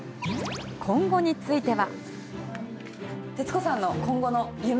今後については。